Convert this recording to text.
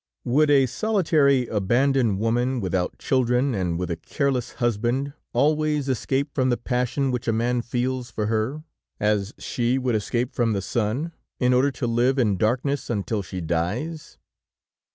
When a solitary, abandoned woman, without children and with a careless husband, always escapes from the passion which a man feels for her, as she would escape from the sun, in order to live in darkness until she dies?